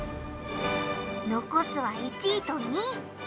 残すは１位と２位。